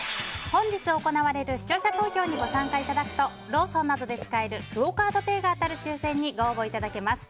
本日行われる視聴者投票にご参加いただくとローソンなどで使えるクオ・カードペイが当たる抽選にご応募いただけます。